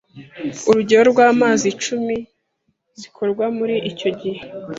urugerero rw’ amazi cumi zkorwa muri icyo gihe